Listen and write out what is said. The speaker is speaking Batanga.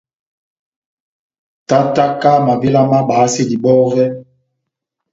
Tátáka mavéla má bayasedi bɔvɛ.